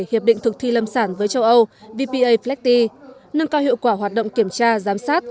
hiệp định thực thi lâm sản với châu âu vpa flecti nâng cao hiệu quả hoạt động kiểm tra giám sát